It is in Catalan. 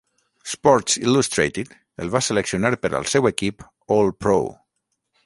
"Sports Illustrated" el va seleccionar per al seu equip All-Pro.